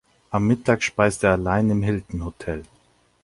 Am Mittag speist er allein im Hilton-Hotel.